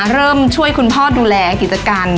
เริ่มช่วยคุณพ่อดูแลกิจการ